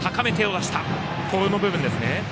あの部分ですね。